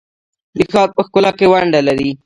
د ښار په ښکلا کې ونډه لري؟